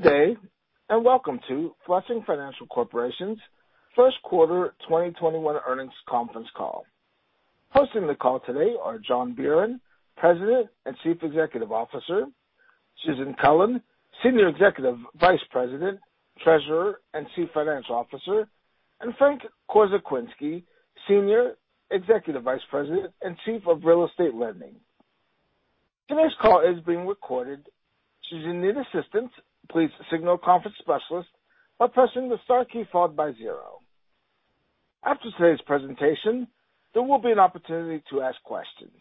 Good day, and welcome to Flushing Financial Corporation's first quarter 2021 earnings conference call. Hosting the call today are John Buran, President and Chief Executive Officer. Susan Cullen, Senior Executive Vice President, Treasurer, and Chief Financial Officer, and Frank Korzekwinski, Senior Executive Vice President and Chief of Real Estate Lending. Today's call is being recorded. Should you need assistance, please signal the conference specialist by pressing the star key followed by zero. After today's presentation, there will be an opportunity to ask questions.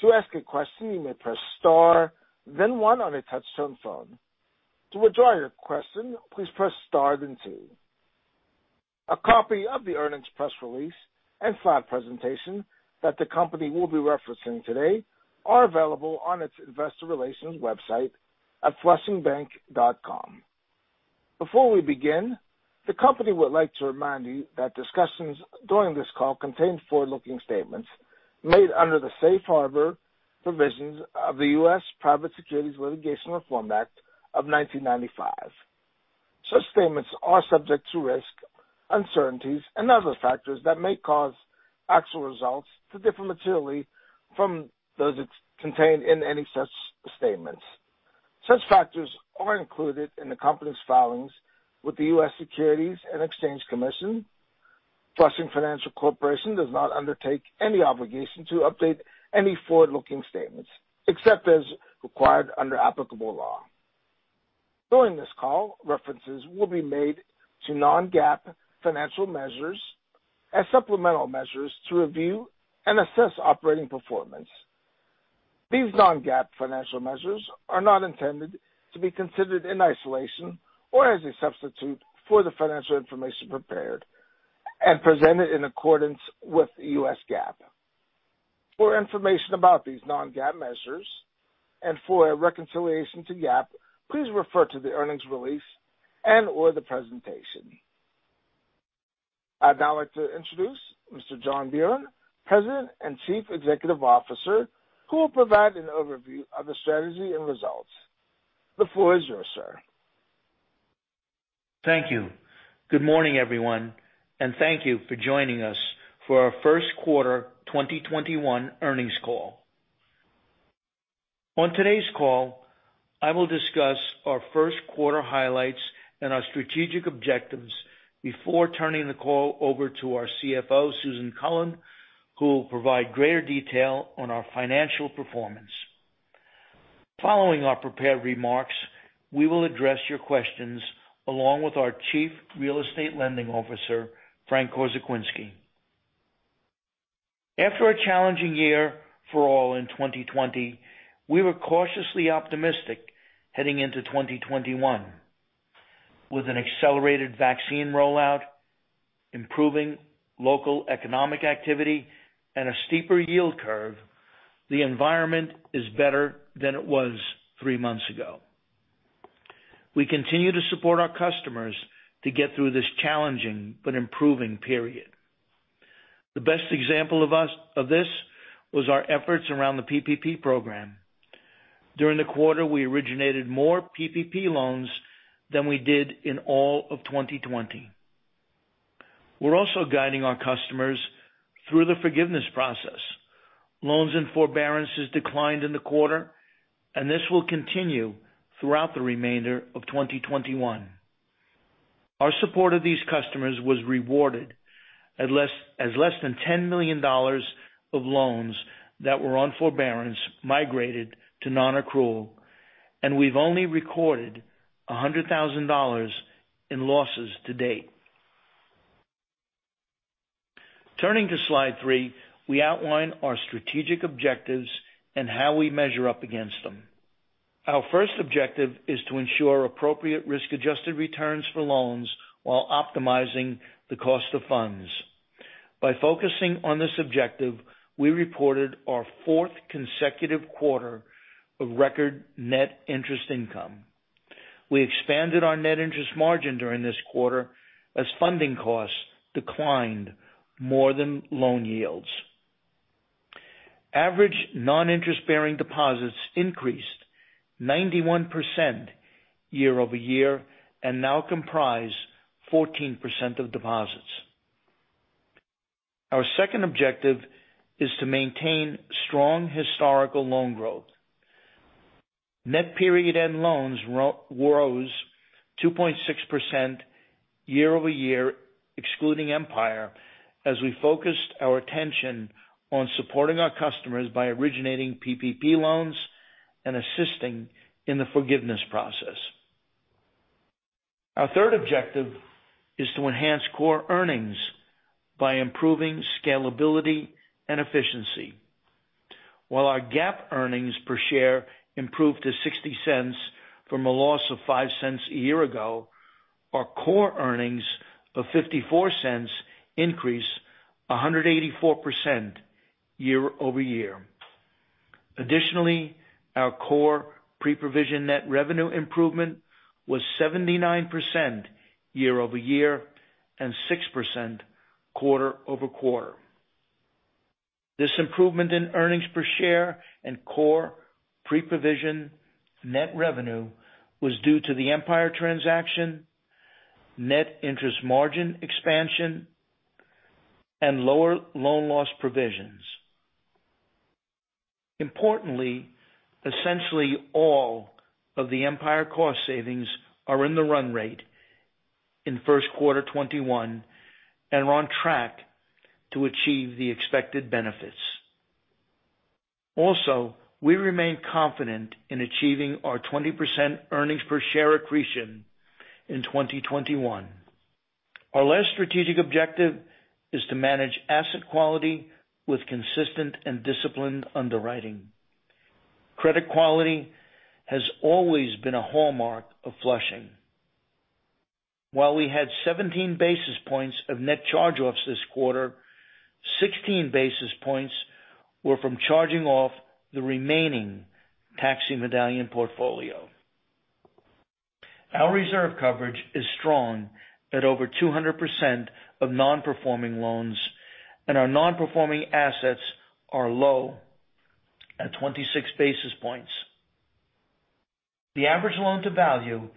To ask a question, you may press star then one on a touch-tone phone. To withdraw your question, please press star then two. A copy of the earnings press release and slide presentation that the company will be referencing today are available on its investor relations website at flushingbank.com. Before we begin, the company would like to remind you that discussions during this call contain forward-looking statements made under the Safe Harbor provisions of the U.S. Private Securities Litigation Reform Act of 1995. Such statements are subject to risk, uncertainties, and other factors that may cause actual results to differ materially from those contained in any such statements. Such factors are included in the company's filings with the U.S. Securities and Exchange Commission. Flushing Financial Corporation does not undertake any obligation to update any forward-looking statements, except as required under applicable law. During this call, references will be made to non-GAAP financial measures as supplemental measures to review and assess operating performance. These non-GAAP financial measures are not intended to be considered in isolation or as a substitute for the financial information prepared and presented in accordance with U.S. GAAP. For information about these non-GAAP measures and for a reconciliation to GAAP, please refer to the earnings release and or the presentation. I'd now like to introduce Mr. John Buran, President and Chief Executive Officer, who will provide an overview of the strategy and results. The floor is yours, sir. Thank you. Good morning, everyone, and thank you for joining us for our First Quarter 2021 Earnings Call. On today's call, I will discuss our first quarter highlights and our strategic objectives before turning the call over to our CFO, Susan Cullen, who will provide greater detail on our financial performance. Following our prepared remarks, we will address your questions along with our Chief Real Estate Lending Officer, Frank Korzekwinski. After a challenging year for all in 2020, we were cautiously optimistic heading into 2021. With an accelerated vaccine rollout, improving local economic activity, and a steeper yield curve, the environment is better than it was three months ago. We continue to support our customers to get through this challenging but improving period. The best example of this was our efforts around the PPP program. During the quarter, we originated more PPP loans than we did in all of 2020. We're also guiding our customers through the forgiveness process. Loans and forbearances declined in the quarter, and this will continue throughout the remainder of 2021. Our support of these customers was rewarded as less than $10 million of loans that were on forbearance migrated to non-accrual, and we've only recorded $100,000 in losses to date. Turning to slide three, we outline our strategic objectives and how we measure up against them. Our first objective is to ensure appropriate risk-adjusted returns for loans while optimizing the cost of funds. By focusing on this objective, we reported our fourth consecutive quarter of record net interest income. We expanded our net interest margin during this quarter as funding costs declined more than loan yields. Average non-interest-bearing deposits increased 91% year-over-year and now comprise 14% of deposits. Our second objective is to maintain strong historical loan growth. Net period-end loans rose 2.6% year-over-year, excluding Empire, as we focused our attention on supporting our customers by originating PPP loans and assisting in the forgiveness process. Our third objective is to enhance core earnings by improving scalability and efficiency. While our GAAP earnings per share improved to $0.60 from a loss of $0.05 a year ago, our core earnings of $0.54 increased 184% year-over-year. Additionally, our core pre-provision net revenue improvement was 79% year-over-year and 6% quarter-over-quarter. This improvement in earnings per share and core pre-provision net revenue was due to the Empire transaction, net interest margin expansion, and lower loan loss provisions. Importantly, essentially all of the Empire cost savings are in the run rate in first quarter 2021 and are on track to achieve the expected benefits. Also, we remain confident in achieving our 20% earnings per share accretion in 2021. Our last strategic objective is to manage asset quality with consistent and disciplined underwriting. Credit quality has always been a hallmark of Flushing. While we had 17 basis points of net charge-offs this quarter, 16 basis points were from charging off the remaining taxi medallion portfolio. Our reserve coverage is strong at over 200% of non-performing loans, and our non-performing assets are low at 26 basis points. The average loan-to-value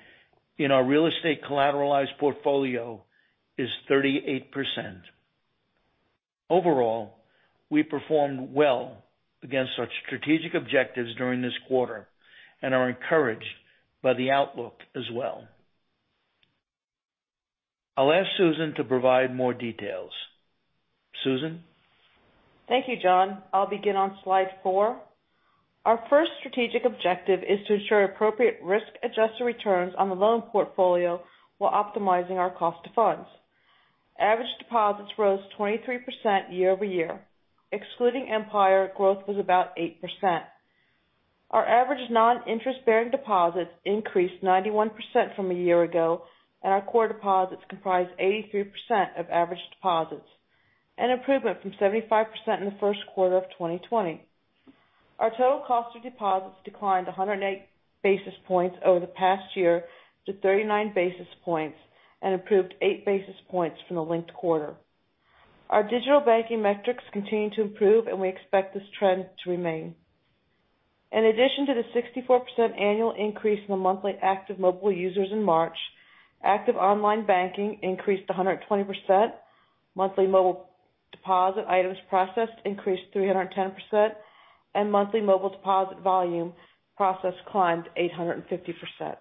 in our real estate collateralized portfolio is 38%. Overall, we performed well against our strategic objectives during this quarter and are encouraged by the outlook as well. I'll ask Susan to provide more details. Susan? Thank you, John. I'll begin on slide four. Our first strategic objective is to ensure appropriate risk-adjusted returns on the loan portfolio while optimizing our cost of funds. Average deposits rose 23% year-over-year. Excluding Empire, growth was about 8%. Our average non-interest-bearing deposits increased 91% from a year ago, and our core deposits comprise 83% of average deposits, an improvement from 75% in the first quarter of 2020. Our total cost of deposits declined 108 basis points over the past year to 39 basis points and improved 8 basis points from the linked quarter. Our digital banking metrics continue to improve, and we expect this trend to remain. In addition to the 64% annual increase in the monthly active mobile users in March, active online banking increased 120%, monthly mobile deposit items processed increased 310%, and monthly mobile deposit volume processed climbed 850%.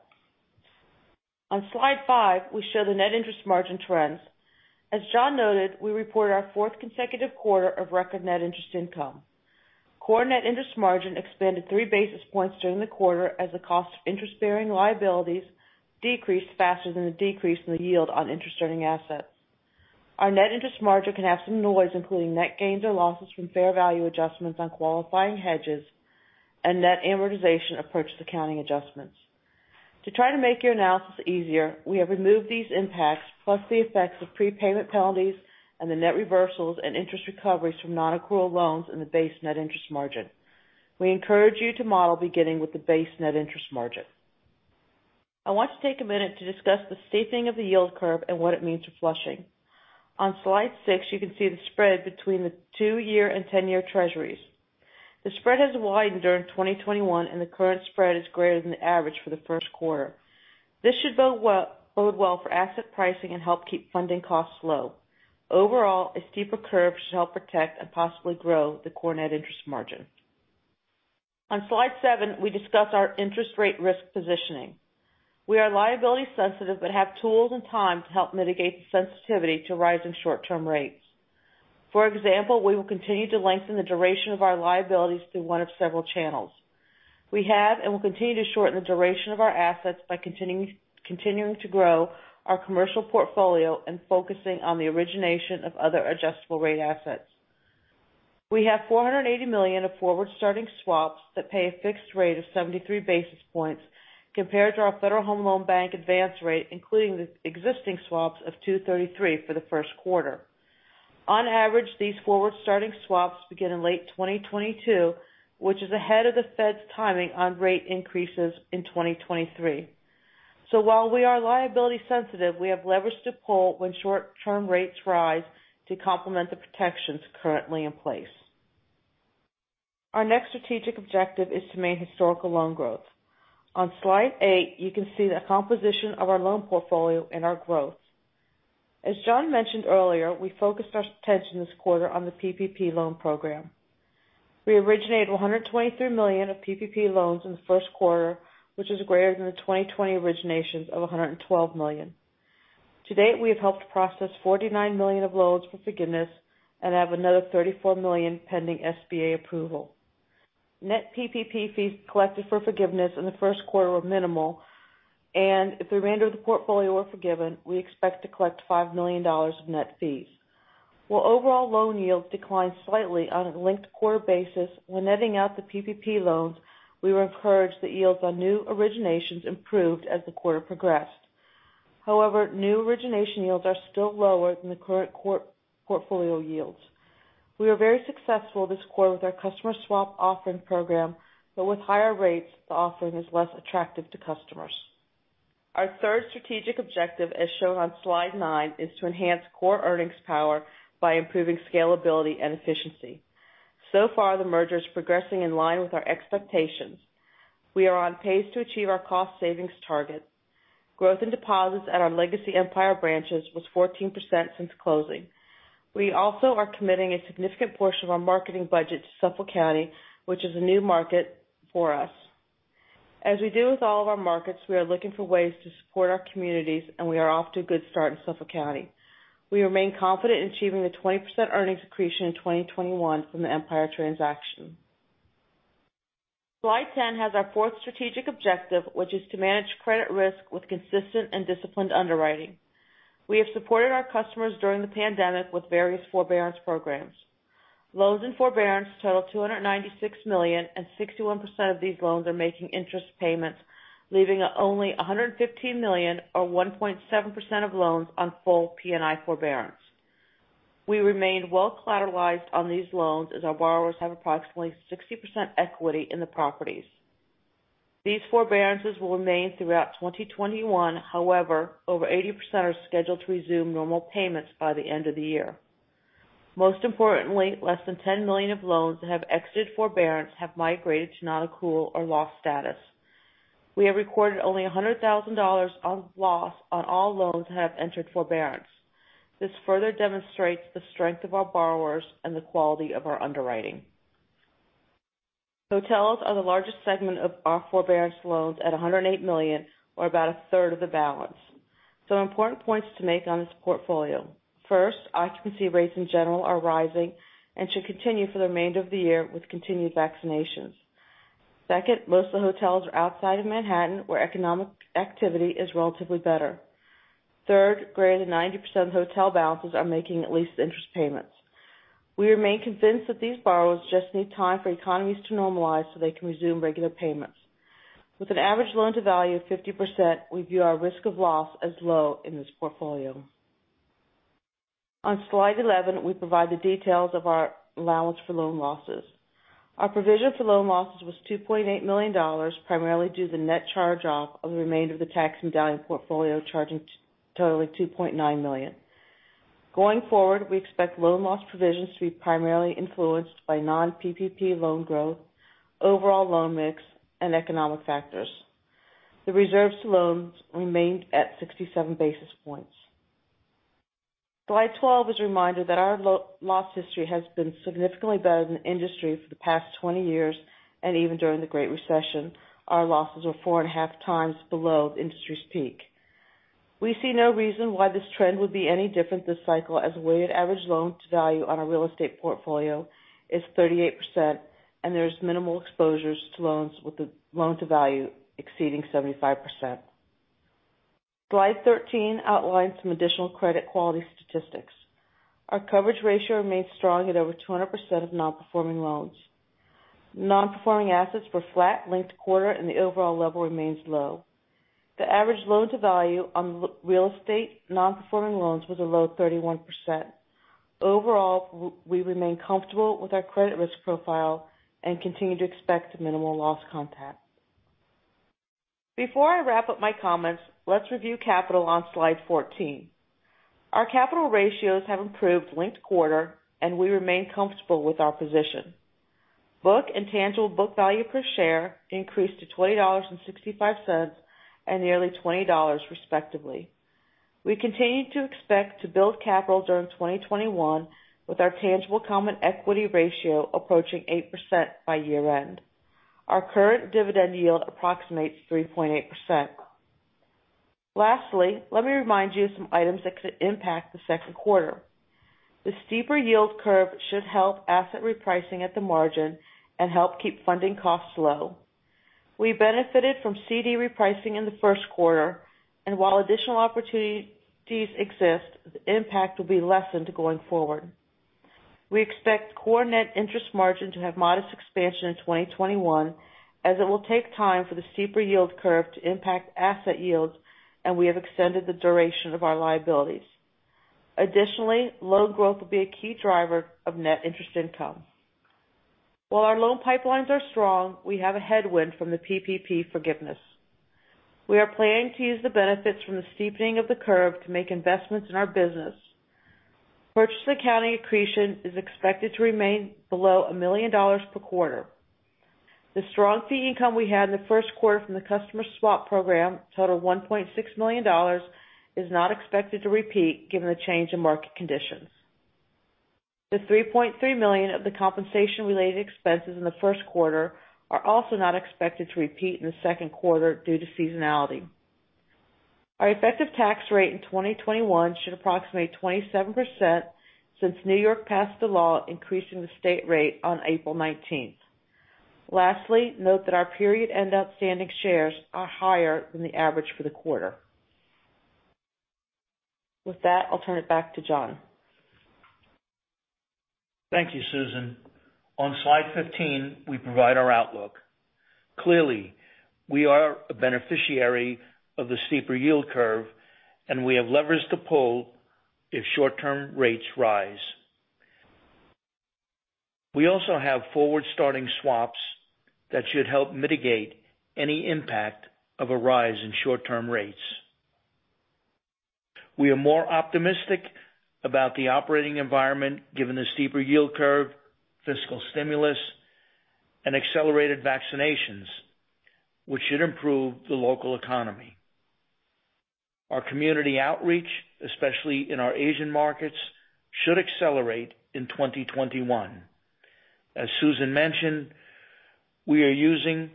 On slide five, we show the net interest margin trends. As John noted, we reported our fourth consecutive quarter of record net interest income. Core net interest margin expanded 3 basis points during the quarter as the cost of interest-bearing liabilities decreased faster than the decrease in the yield on interest-earning assets. Our net interest margin can have some noise, including net gains or losses from fair value adjustments on qualifying hedges and net amortization of purchased accounting adjustments. To try to make your analysis easier, we have removed these impacts, plus the effects of prepayment penalties and the net reversals and interest recoveries from non-accrual loans in the base net interest margin. We encourage you to model beginning with the base net interest margin. I want to take a minute to discuss the steepening of the yield curve and what it means for Flushing. On slide six, you can see the spread between the two-year and 10-year treasuries. The spread has widened during 2021, and the current spread is greater than the average for the first quarter. This should bode well for asset pricing and help keep funding costs low. Overall, a steeper curve should help protect and possibly grow the core net interest margin. On slide seven, we discuss our interest rate risk positioning. We are liability sensitive but have tools and time to help mitigate the sensitivity to rising short-term rates. For example, we will continue to lengthen the duration of our liabilities through one of several channels. We have and will continue to shorten the duration of our assets by continuing to grow our commercial portfolio and focusing on the origination of other adjustable rate assets. We have $480 million of forward-starting swaps that pay a fixed rate of 73 basis points compared to our Federal Home Loan Bank advance rate, including the existing swaps of 233 for the first quarter. On average, these forward-starting swaps begin in late 2022, which is ahead of the Fed's timing on rate increases in 2023. While we are liability sensitive, we have levers to pull when short-term rates rise to complement the protections currently in place. Our next strategic objective is to maintain historical loan growth. On slide eight, you can see the composition of our loan portfolio and our growth. As John mentioned earlier, we focused our attention this quarter on the PPP loan program. We originated $123 million of PPP loans in the first quarter, which is greater than the 2020 originations of $112 million. To date, we have helped process $49 million of loans for forgiveness and have another $34 million pending SBA approval. Net PPP fees collected for forgiveness in the first quarter were minimal. If the remainder of the portfolio were forgiven, we expect to collect $5 million of net fees. While overall loan yields declined slightly on a linked quarter basis, when netting out the PPP loans, we were encouraged that yields on new originations improved as the quarter progressed. However, new origination yields are still lower than the current portfolio yields. We were very successful this quarter with our customer swap offering program. With higher rates, the offering is less attractive to customers. Our third strategic objective, as shown on slide nine, is to enhance core earnings power by improving scalability and efficiency. So far, the merger is progressing in line with our expectations. We are on pace to achieve our cost savings target. Growth in deposits at our legacy Empire branches was 14% since closing. We also are committing a significant portion of our marketing budget to Suffolk County, which is a new market for us. As we do with all of our markets, we are looking for ways to support our communities, and we are off to a good start in Suffolk County. We remain confident in achieving the 20% earnings accretion in 2021 from the Empire transaction. Slide 10 has our fourth strategic objective, which is to manage credit risk with consistent and disciplined underwriting. We have supported our customers during the pandemic with various forbearance programs. Loans in forbearance total $296 million, and 61% of these loans are making interest payments, leaving only $115 million or 1.7% of loans on full P&I forbearance. We remain well collateralized on these loans, as our borrowers have approximately 60% equity in the properties. These forbearances will remain throughout 2021. Over 80% are scheduled to resume normal payments by the end of the year. Most importantly, less than $10 million of loans that have exited forbearance have migrated to non-accrual or loss status. We have recorded only $100,000 of loss on all loans that have entered forbearance. This further demonstrates the strength of our borrowers and the quality of our underwriting. Hotels are the largest segment of our forbearance loans at $108 million or about a third of the balance. Some important points to make on this portfolio. First, occupancy rates in general are rising and should continue for the remainder of the year with continued vaccinations. Second, most of the hotels are outside of Manhattan where economic activity is relatively better. Third, greater than 90% of hotel balances are making at least interest payments. We remain convinced that these borrowers just need time for economies to normalize so they can resume regular payments. With an average loan-to-value of 50%, we view our risk of loss as low in this portfolio. On slide 11, we provide the details of our allowance for loan losses. Our provision for loan losses was $2.8 million, primarily due to the net charge-off of the remainder of the taxi medallion portfolio charging totaling $2.9 million. Going forward, we expect loan loss provisions to be primarily influenced by non-PPP loan growth, overall loan mix, and economic factors. The reserves to loans remained at 67 basis points. Slide 12 is a reminder that our loss history has been significantly better than the industry for the past 20 years, and even during the Great Recession, our losses were 4.5x Below the industry's peak. We see no reason why this trend would be any different this cycle as a weighted average loan-to-value on our real estate portfolio is 38%, and there's minimal exposures to loans with the loan-to-value exceeding 75%. Slide 13 outlines some additional credit quality statistics. Our coverage ratio remains strong at over 200% of non-performing loans. Non-performing assets were flat linked quarter, and the overall level remains low. The average loan-to-value on real estate non-performing loans was a low 31%. Overall, we remain comfortable with our credit risk profile and continue to expect minimal loss content. Before I wrap up my comments, let's review capital on slide 14. Our capital ratios have improved linked quarter, and we remain comfortable with our position. Book and tangible book value per share increased to $20.65 and nearly $20 respectively. We continue to expect to build capital during 2021 with our tangible common equity ratio approaching 8% by year-end. Our current dividend yield approximates 3.8%. Lastly, let me remind you of some items that could impact the second quarter. The steeper yield curve should help asset repricing at the margin and help keep funding costs low. We benefited from CD repricing in the first quarter, and while additional opportunities exist, the impact will be lessened going forward. We expect core net interest margin to have modest expansion in 2021, as it will take time for the steeper yield curve to impact asset yields, and we have extended the duration of our liabilities. Loan growth will be a key driver of net interest income. Our loan pipelines are strong, we have a headwind from the PPP forgiveness. We are planning to use the benefits from the steepening of the curve to make investments in our business. Purchase accounting accretion is expected to remain below $1 million per quarter. The strong fee income we had in the first quarter from the customer swap program, total $1.6 million, is not expected to repeat given the change in market conditions. The $3.3 million of the compensation-related expenses in the first quarter are also not expected to repeat in the second quarter due to seasonality. Our effective tax rate in 2021 should approximate 27% since New York passed a law increasing the state rate on April 19th. Note that our period end outstanding shares are higher than the average for the quarter. With that, I'll turn it back to John. Thank you, Susan. On slide 15, we provide our outlook. Clearly, we are a beneficiary of the steeper yield curve, and we have levers to pull if short-term rates rise. We also have forward-starting swaps that should help mitigate any impact of a rise in short-term rates. We are more optimistic about the operating environment given the steeper yield curve, fiscal stimulus, and accelerated vaccinations, which should improve the local economy. Our community outreach, especially in our Asian markets, should accelerate in 2021. As Susan mentioned, we are using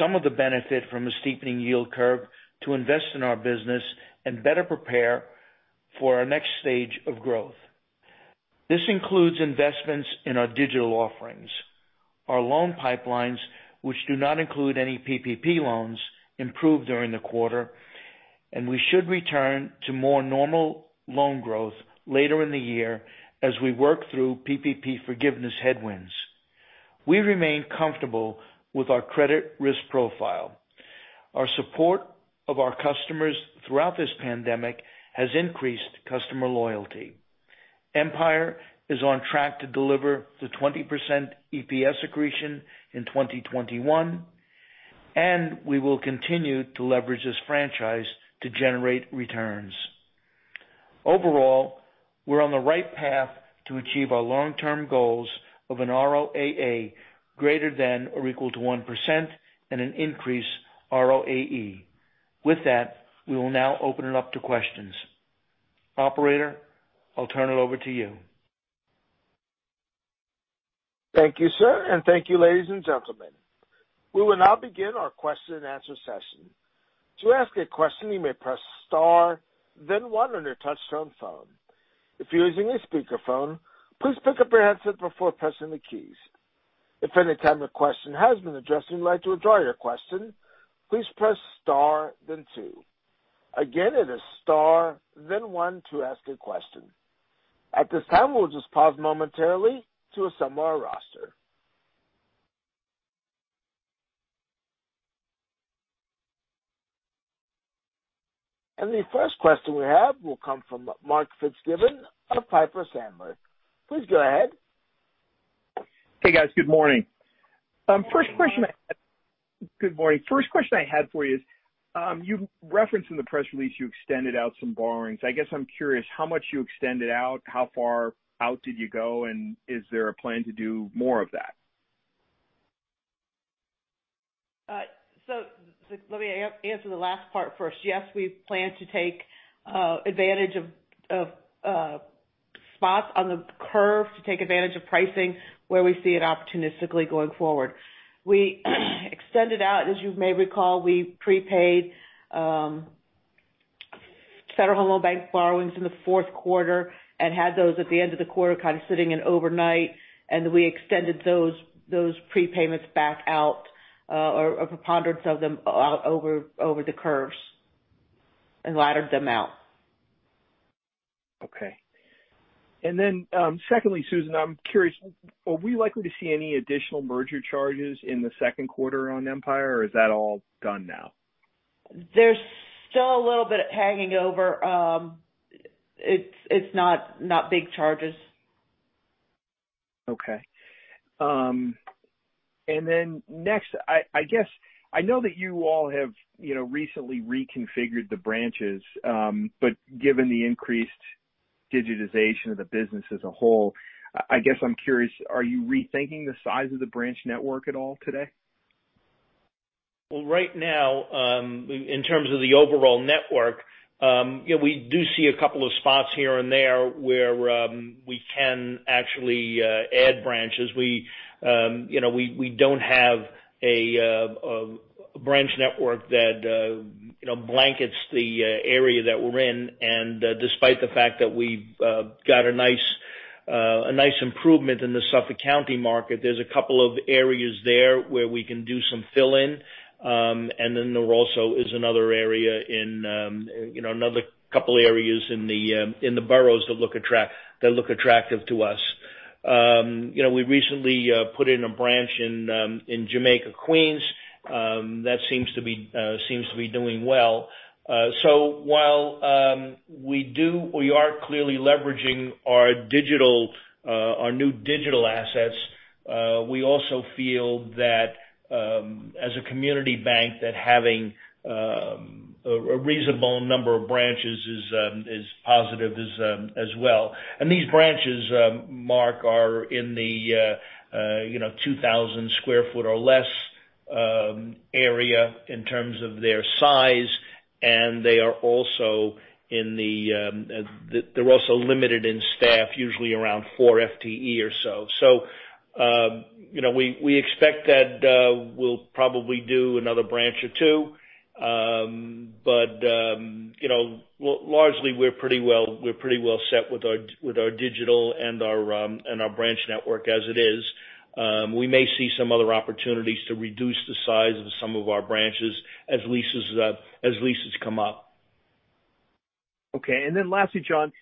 some of the benefit from the steepening yield curve to invest in our business and better prepare for our next stage of growth. This includes investments in our digital offerings. Our loan pipelines, which do not include any PPP loans, improved during the quarter, and we should return to more normal loan growth later in the year as we work through PPP forgiveness headwinds. We remain comfortable with our credit risk profile. Our support of our customers throughout this pandemic has increased customer loyalty. Empire is on track to deliver the 20% EPS accretion in 2021. We will continue to leverage this franchise to generate returns. Overall, we're on the right path to achieve our long-term goals of an ROAA greater than or equal to 1% and an increased ROAE. With that, we will now open it up to questions. Operator, I'll turn it over to you. Thank you, sir, and thank you, ladies and gentlemen. We will now begin our question and answer session. To ask a question, you may press star then one on your touchtone phone. If you're using a speakerphone, please pick up your handset before pressing the keys. If at any time your question has been addressed, and you'd like to withdraw your question, please press star then two. Again, it is star then one to ask a question. At this time, we'll just pause momentarily to assemble our roster. The first question we have will come from Mark Fitzgibbon of Piper Sandler. Please go ahead. Hey, guys. Good morning. Good morning. First question I had for you is, you referenced in the press release you extended out some borrowings. I guess I'm curious how much you extended out, how far out did you go, and is there a plan to do more of that? Let me answer the last part first. Yes, we plan to take advantage of spots on the curve to take advantage of pricing where we see it opportunistically going forward. We extended out, as you may recall, we prepaid Federal Home Loan Bank borrowings in the fourth quarter and had those at the end of the quarter kind of sitting in overnight, and then we extended those prepayments back out, or a preponderance of them out over the curves and laddered them out. Okay. Secondly, Susan, I'm curious, are we likely to see any additional merger charges in the second quarter on Empire, or is that all done now? There's still a little bit hanging over. It's not big charges. Okay. Next, I know that you all have recently reconfigured the branches, but given the increased digitization of the business as a whole, I guess I'm curious, are you rethinking the size of the branch network at all today? Well, right now, in terms of the overall network, we do see a couple of spots here and there where we can actually add branches. We don't have a branch network that blankets the area that we're in. Despite the fact that we've got a nice improvement in the Suffolk County market, there's a couple of areas there where we can do some fill in. Then there also is another area in another couple areas in the boroughs that look attractive to us. We recently put in a branch in Jamaica, Queens. That seems to be doing well. While we are clearly leveraging our new digital assets, we also feel that as a community bank, that having a reasonable number of branches is positive as well. These branches, Mark, are in the 2,000 sq ft or less area in terms of their size. They're also limited in staff, usually around four FTE or so. We expect that we'll probably do another branch or two. Largely, we're pretty well set with our digital and our branch network as it is. We may see some other opportunities to reduce the size of some of our branches as leases come up. Okay. then lastly, John,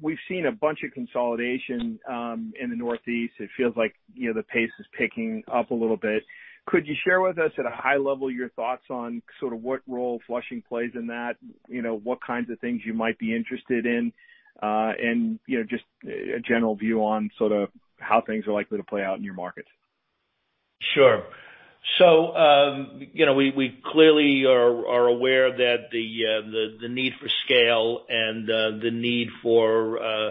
we've seen a bunch of consolidation in the Northeast. It feels like the pace is picking up a little bit. Could you share with us at a high level your thoughts on sort of what role Flushing plays in that? What kinds of things you might be interested in? just a general view on sort of how things are likely to play out in your markets. Sure. We clearly are aware that the need for scale and the need for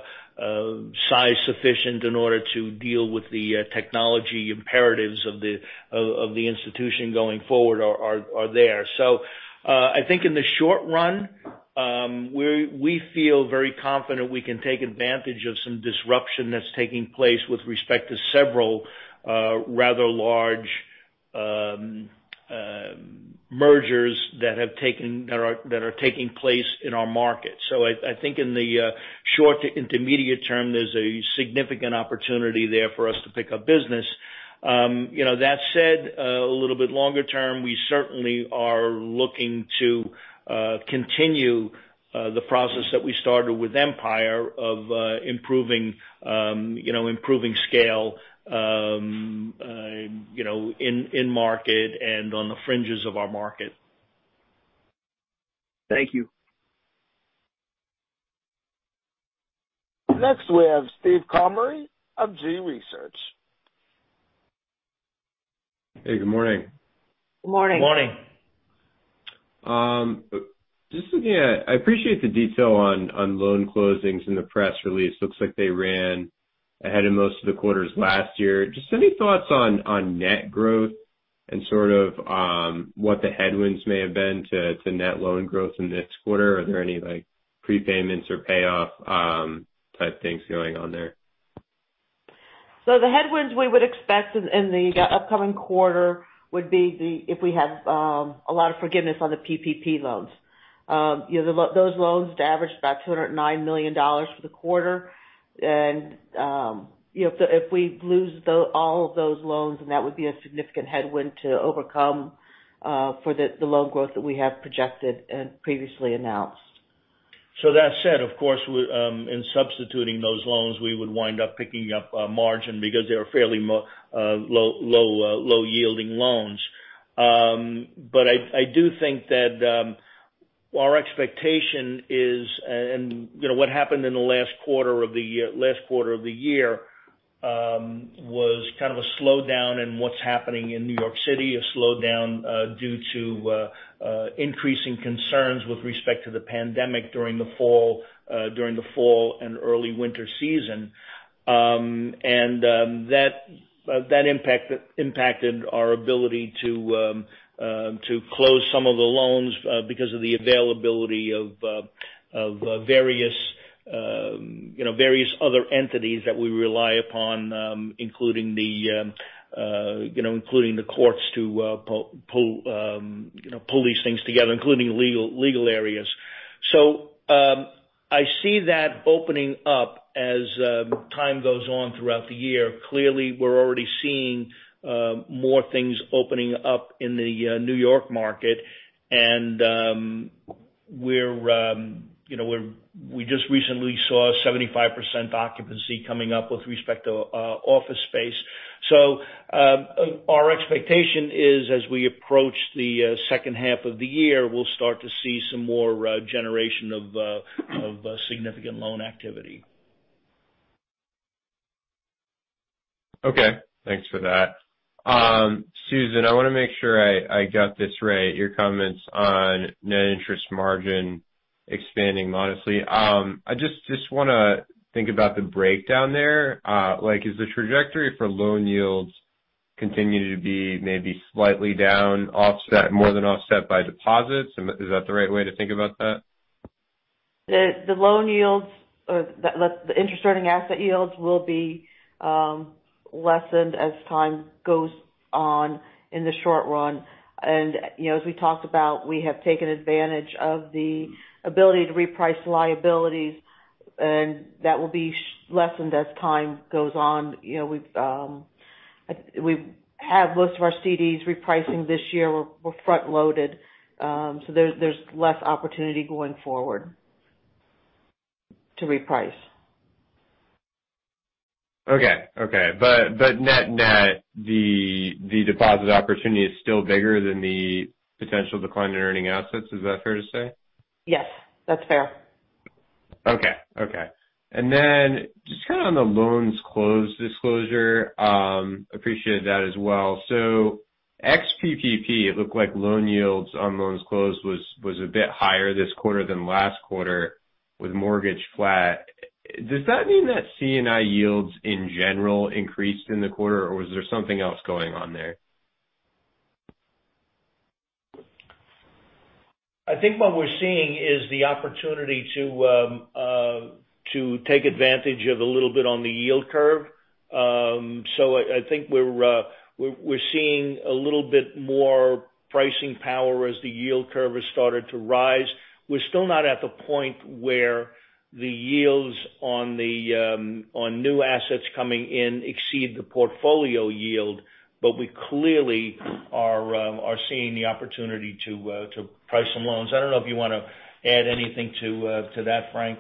size sufficient in order to deal with the technology imperatives of the institution going forward are there. I think in the short run, we feel very confident we can take advantage of some disruption that's taking place with respect to several rather large mergers that are taking place in our market. I think in the short to intermediate term, there's a significant opportunity there for us to pick up business. That said, a little bit longer term, we certainly are looking to continue the process that we started with Empire of improving scale in market and on the fringes of our market. Thank you. Next we have Steve Comery of G Research. Hey, good morning. Good morning. Morning. I appreciate the detail on loan closings in the press release. Looks like they ran ahead of most of the quarters last year. Just any thoughts on net growth and sort of what the headwinds may have been to net loan growth in this quarter? Are there any prepayments or payoff type things going on there? The headwinds we would expect in the upcoming quarter would be if we have a lot of forgiveness on the PPP loans. Those loans averaged about $209 million for the quarter. If we lose all of those loans then that would be a significant headwind to overcome for the loan growth that we have projected and previously announced. That said, of course, in substituting those loans, we would wind up picking up a margin because they are fairly low yielding loans. I do think that our expectation is, and what happened in the last quarter of the year, was kind of a slowdown in what's happening in New York City, a slowdown due to increasing concerns with respect to the pandemic during the fall and early winter season. That impacted our ability to close some of the loans because of the availability of various other entities that we rely upon, including the courts to pull these things together, including legal areas. I see that opening up as time goes on throughout the year. Clearly, we're already seeing more things opening up in the New York market, and we just recently saw 75% occupancy coming up with respect to office space. Our expectation is as we approach the second half of the year, we'll start to see some more generation of significant loan activity. Okay. Thanks for that. Susan, I want to make sure I got this right, your comments on net interest margin expanding modestly. I just want to think about the breakdown there. Like is the trajectory for loan yields continue to be maybe slightly down, more than offset by deposits? Is that the right way to think about that? The loan yields or the interest earning asset yields will be lessened as time goes on in the short run. As we talked about, we have taken advantage of the ability to reprice liabilities, and that will be lessened as time goes on. We have most of our CDs repricing this year. We're front-loaded. There's less opportunity going forward to reprice. Okay. Net-net, the deposit opportunity is still bigger than the potential decline in earning assets. Is that fair to say? Yes, that's fair. Okay. Just kind of on the loans closed disclosure, appreciated that as well. Ex-PPP, it looked like loan yields on loans closed was a bit higher this quarter than last quarter with mortgage flat. Does that mean that C&I yields in general increased in the quarter, or was there something else going on there? I think what we're seeing is the opportunity to take advantage of a little bit on the yield curve. I think we're seeing a little bit more pricing power as the yield curve has started to rise. We're still not at the point where the yields on new assets coming in exceed the portfolio yield, but we clearly are seeing the opportunity to price some loans. I don't know if you want to add anything to that, Frank.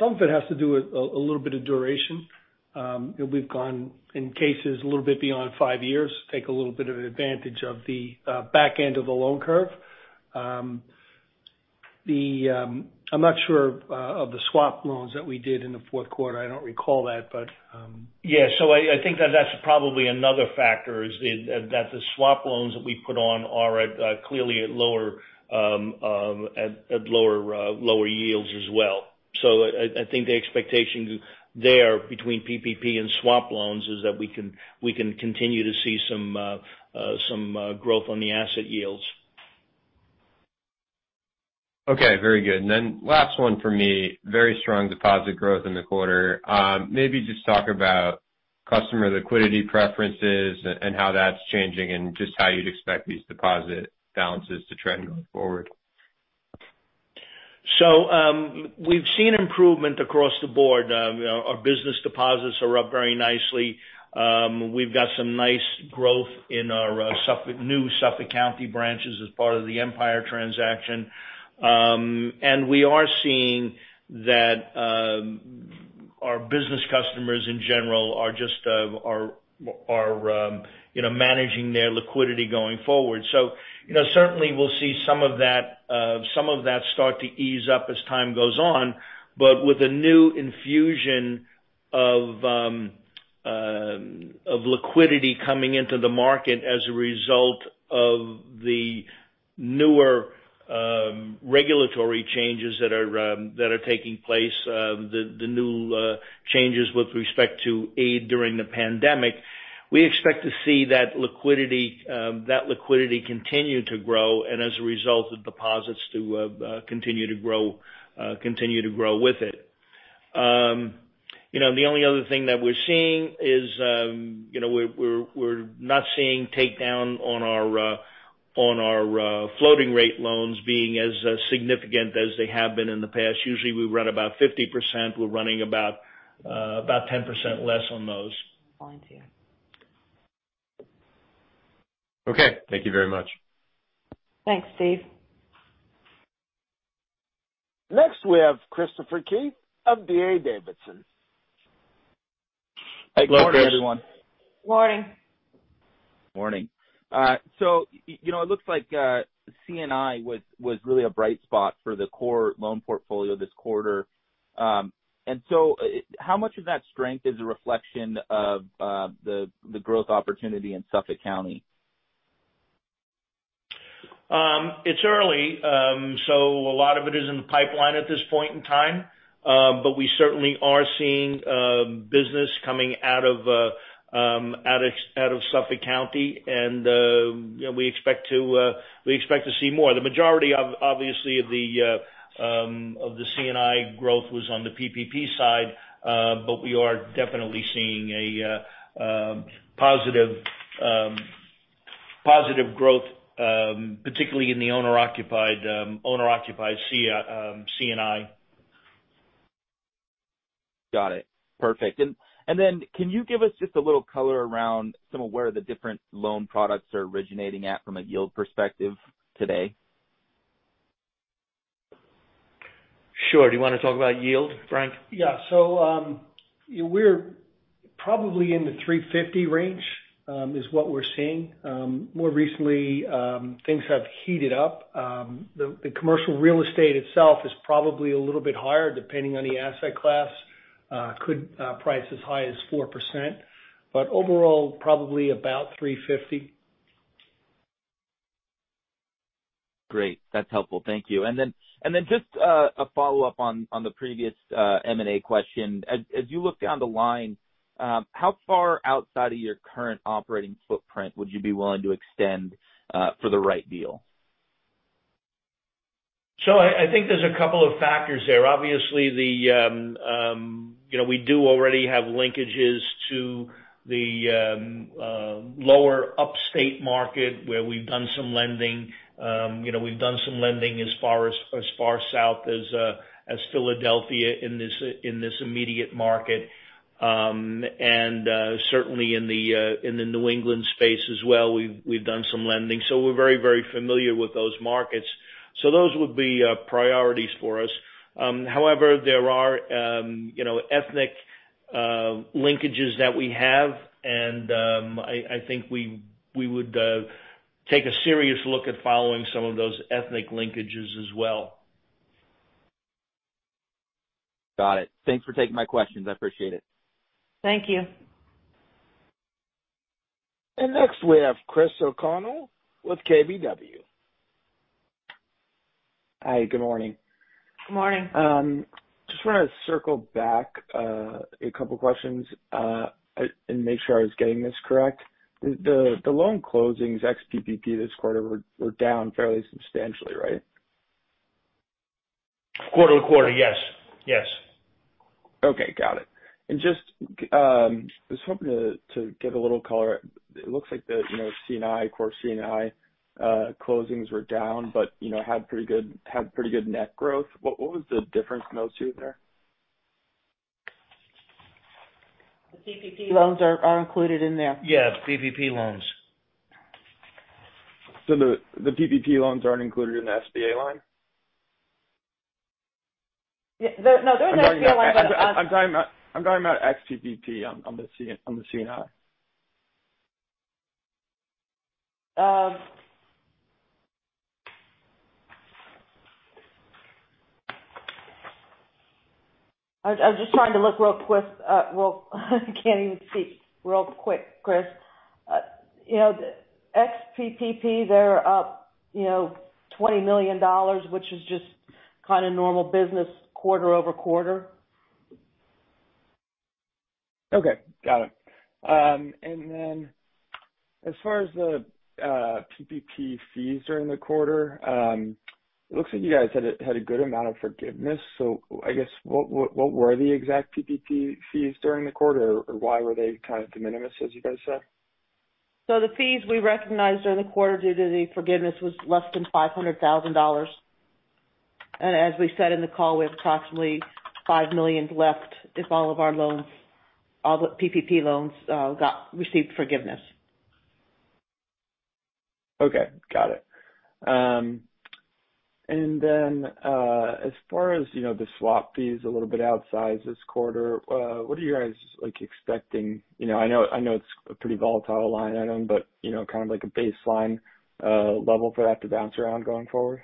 Some of it has to do with a little bit of duration. We've gone in cases a little bit beyond five years, take a little bit of an advantage of the back end of the loan curve. I'm not sure of the swap loans that we did in the fourth quarter. I don't recall that. Yeah. I think that's probably another factor, is that the swap loans that we put on are clearly at lower yields as well. I think the expectation there between PPP and swap loans is that we can continue to see some growth on the asset yields. Okay. Very good. Last one for me. Very strong deposit growth in the quarter. Maybe just talk about customer liquidity preferences and how that's changing and just how you'd expect these deposit balances to trend going forward. We've seen improvement across the board. Our business deposits are up very nicely. We've got some nice growth in our new Suffolk County branches as part of the Empire transaction. We are seeing that our business customers in general are managing their liquidity going forward. Certainly we'll see some of that start to ease up as time goes on. With the new infusion of liquidity coming into the market as a result of the newer regulatory changes that are taking place, the new changes with respect to aid during the pandemic, we expect to see that liquidity continue to grow and as a result, the deposits to continue to grow with it. The only other thing that we're seeing is we're not seeing take down on our floating rate loans being as significant as they have been in the past. Usually we run about 50%. We're running about 10% less on those. Okay. Thank you very much. Thanks, Steve. Next, we have Christopher Keith of D.A. Davidson. Hey, good morning, everyone. Morning. Morning. It looks like C&I was really a bright spot for the core loan portfolio this quarter. How much of that strength is a reflection of the growth opportunity in Suffolk County? It's early, so a lot of it is in the pipeline at this point in time. We certainly are seeing business coming out of Suffolk County and we expect to see more. The majority, obviously, of the C&I growth was on the PPP side. We are definitely seeing a positive growth, particularly in the owner-occupied C&I. Got it. Perfect. Can you give us just a little color around some of where the different loan products are originating at from a yield perspective today? Sure. Do you want to talk about yield, Frank? Yeah. We're probably in the 3.50% range, is what we're seeing. More recently things have heated up. The commercial real estate itself is probably a little bit higher, depending on the asset class. Could price as high as 4%, but overall, probably about 3.50%. Great. That's helpful. Thank you. Just a follow-up on the previous M&A question. As you look down the line, how far outside of your current operating footprint would you be willing to extend for the right deal? I think there's a couple of factors there. Obviously, we do already have linkages to the lower upstate market where we've done some lending. We've done some lending as far south as Philadelphia in this immediate market. Certainly in the New England space as well, we've done some lending. We're very familiar with those markets. Those would be priorities for us. However, there are ethnic linkages that we have, and I think we would take a serious look at following some of those ethnic linkages as well. Got it. Thanks for taking my questions. I appreciate it. Thank you. Next we have Chris O'Connell with KBW. Hi. Good morning. Good morning. Just want to circle back a couple questions and make sure I was getting this correct. The loan closings ex-PPP this quarter were down fairly substantially, right? Quarter-to-quarter, yes. Okay. Got it. Just was hoping to get a little color. It looks like the core C&I closings were down but had pretty good net growth. What was the difference in those two there? The PPP loans are included in there. Yeah, PPP loans. The PPP loans aren't included in the SBA line? No, they're in the SBA line. I'm talking about ex-PPP on the C&I. I was just trying to look real quick. I can't even see. Real quick, Chris. Ex-PPP, they're up $20 million, which is just kind of normal business quarter-over-quarter. Okay. Got it. As far as the PPP fees during the quarter, it looks like you guys had a good amount of forgiveness. I guess, what were the exact PPP fees during the quarter? Why were they kind of de minimis, as you guys said? The fees we recognized during the quarter due to the forgiveness was less than $500,000. As we said in the call, we have approximately $5 million left if all of our loans, all the PPP loans received forgiveness. Okay. Got it. As far as the swap fees, a little bit outsized this quarter. What are you guys expecting? I know it's a pretty volatile line item, but kind of like a baseline level for that to bounce around going forward.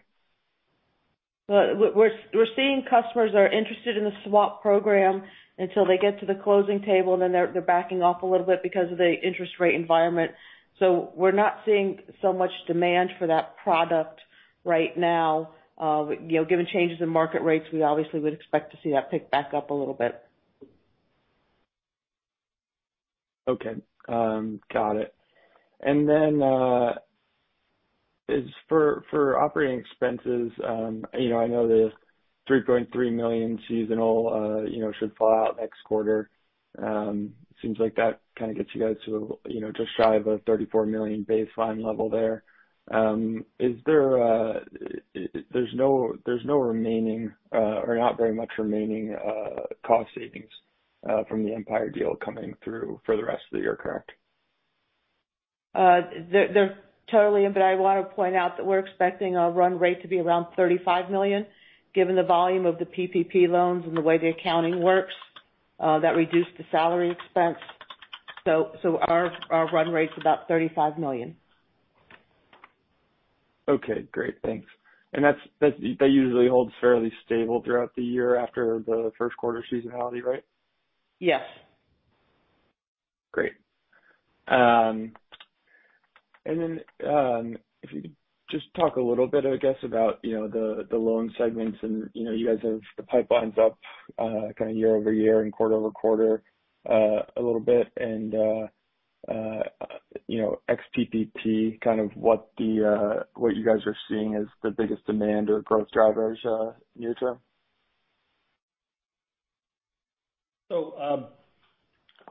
We're seeing customers that are interested in the swap program until they get to the closing table, and then they're backing off a little bit because of the interest rate environment. We're not seeing so much demand for that product right now. Given changes in market rates, we obviously would expect to see that pick back up a little bit. Okay. Got it. For operating expenses, I know the $3.3 million seasonal should fall out next quarter. Seems like that kind of gets you guys to just shy of a $34 million baseline level there. There's no remaining, or not very much remaining cost savings from the Empire deal coming through for the rest of the year, correct? Totally. I want to point out that we're expecting our run rate to be around $35 million, given the volume of the PPP loans and the way the accounting works. That reduced the salary expense. Our run rate's about $35 million. Okay, great. Thanks. That usually holds fairly stable throughout the year after the first quarter seasonality, right? Yes. Great. Then if you could just talk a little bit, I guess, about the loan segments and you guys have the pipelines up kind of year-over-year and quarter-over-quarter a little bit. Ex-PPP, kind of what you guys are seeing as the biggest demand or growth drivers near-term.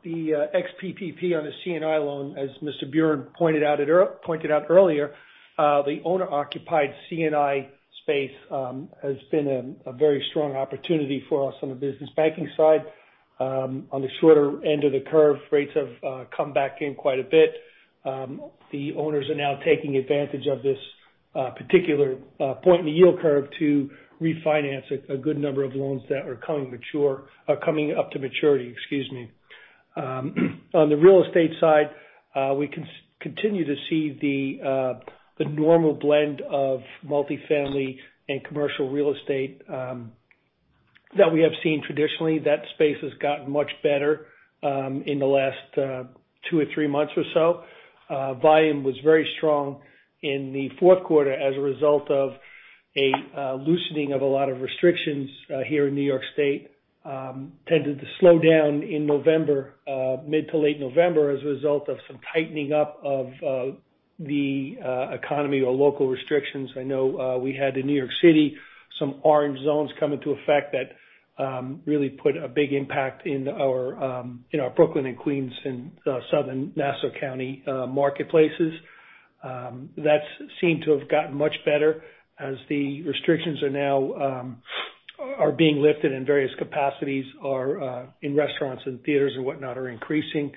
The ex-PPP on the C&I loan, as Mr. Buran pointed out earlier, the owner-occupied C&I space has been a very strong opportunity for us on the Business Banking side. On the shorter end of the curve, rates have come back in quite a bit. The owners are now taking advantage of this particular point in the yield curve to refinance a good number of loans that are coming up to maturity, excuse me. On the real estate side, we continue to see the normal blend of multi-family and commercial real estate that we have seen traditionally. That space has gotten much better in the last two or three months or so. Volume was very strong in the fourth quarter as a result of a loosening of a lot of restrictions here in New York State. Tended to slow down in November, mid to late November, as a result of some tightening up of the economy or local restrictions. I know we had in New York City some orange zones come into effect that really put a big impact in our Brooklyn and Queens and Southern Nassau County marketplaces. That seemed to have gotten much better as the restrictions are now being lifted in various capacities or in restaurants and theaters and whatnot are increasing.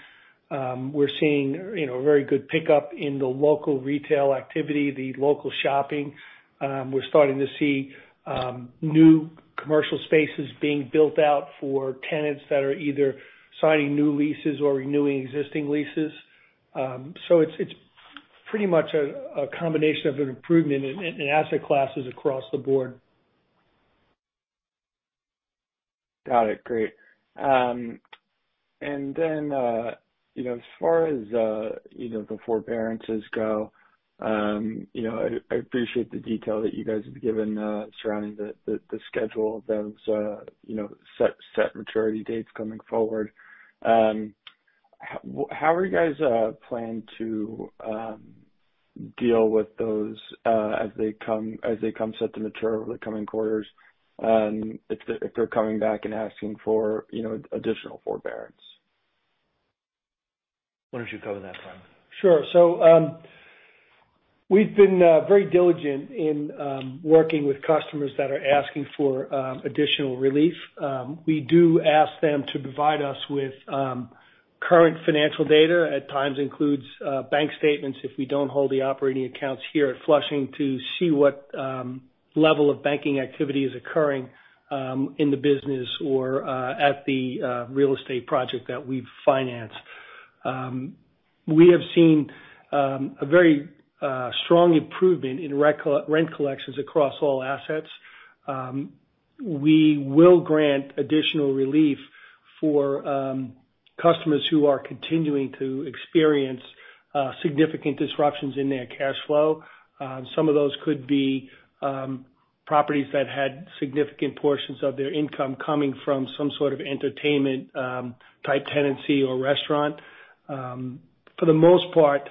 We're seeing very good pickup in the local retail activity, the local shopping. We're starting to see new commercial spaces being built out for tenants that are either signing new leases or renewing existing leases. It's pretty much a combination of an improvement in asset classes across the board. Got it. Great. As far as the forbearances go, I appreciate the detail that you guys have given surrounding the schedule of those set maturity dates coming forward. How are you guys planning to deal with those as they come set to mature over the coming quarters if they're coming back and asking for additional forbearance? Why don't you cover that, Frank? Sure. We've been very diligent in working with customers that are asking for additional relief. We do ask them to provide us with current financial data. At times includes bank statements if we don't hold the operating accounts here at Flushing to see what level of banking activity is occurring in the business or at the real estate project that we've financed. We have seen a very strong improvement in rent collections across all assets. We will grant additional relief for customers who are continuing to experience significant disruptions in their cash flow. Some of those could be properties that had significant portions of their income coming from some sort of entertainment-type tenancy or restaurant. For the most part,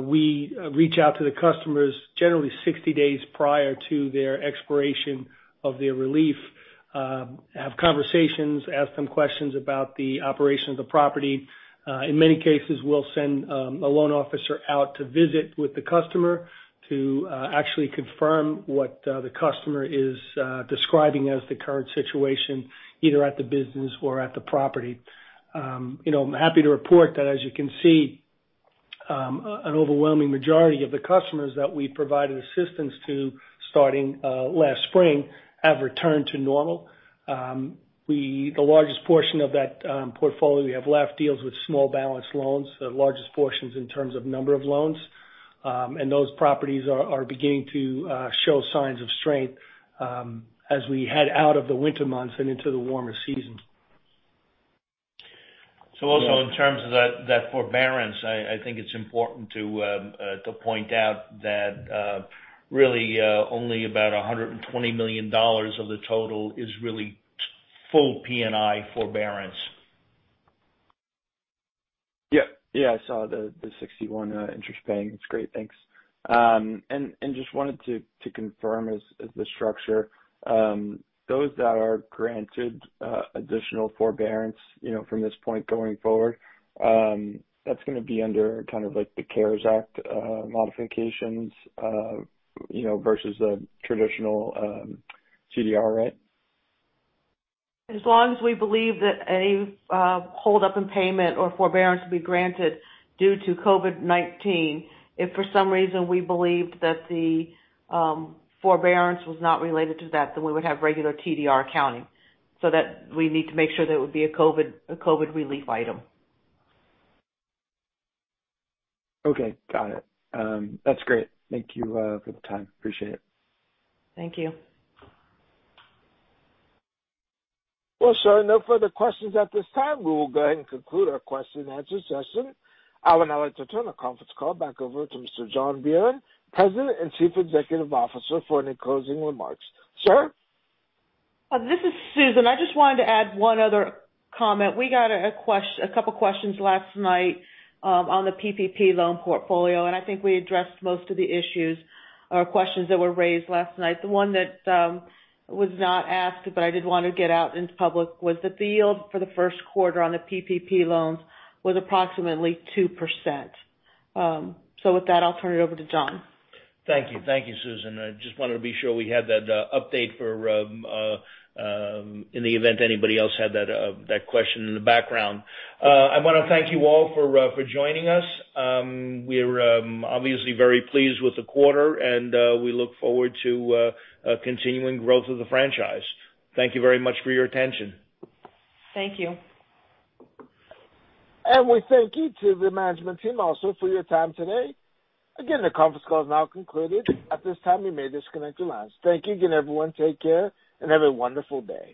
we reach out to the customers generally 60 days prior to their expiration of their relief. Have conversations, ask them questions about the operation of the property. In many cases, we'll send a loan officer out to visit with the customer to actually confirm what the customer is describing as the current situation, either at the business or at the property. I'm happy to report that, as you can see, an overwhelming majority of the customers that we provided assistance to starting last spring have returned to normal. The largest portion of that portfolio we have left deals with small balance loans, the largest portions in terms of number of loans. Those properties are beginning to show signs of strength as we head out of the winter months and into the warmer seasons. Also in terms of that forbearance, I think it's important to point out that really only about $120 million of the total is really full P&I forbearance. Yeah, I saw the $61 million interest paying. It's great. Thanks. Just wanted to confirm as the structure, those that are granted additional forbearance from this point going forward, that's going to be under the CARES Act modifications versus the traditional TDR, right? As long as we believe that any hold up in payment or forbearance will be granted due to COVID-19. If for some reason we believed that the forbearance was not related to that, then we would have regular TDR accounting so that we need to make sure that it would be a COVID relief item. Okay, got it. That's great. Thank you for the time. Appreciate it. Thank you. Well, sir, no further questions at this time. We will go ahead and conclude our question and answer session. I would now like to turn the conference call back over to Mr. John Buran, President and Chief Executive Officer, for any closing remarks. Sir? This is Susan. I just wanted to add one other comment. We got a couple questions last night on the PPP loan portfolio, and I think we addressed most of the issues or questions that were raised last night. The one that was not asked, but I did want to get out into public, was that the yield for the first quarter on the PPP loans was approximately 2%. With that, I'll turn it over to John. Thank you, Susan. I just wanted to be sure we had that update in the event anybody else had that question in the background. I want to thank you all for joining us. We're obviously very pleased with the quarter, and we look forward to continuing growth of the franchise. Thank you very much for your attention. Thank you. We thank you to the management team also for your time today. Again, the conference call is now concluded. At this time, you may disconnect your lines. Thank you again, everyone. Take care, and have a wonderful day.